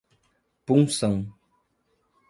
Punção